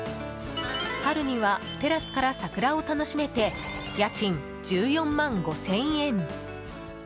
春にはテラスから桜を楽しめて家賃１４万５０００円。